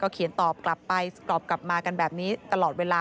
เขียนตอบกลับไปสกรอบกลับมากันแบบนี้ตลอดเวลา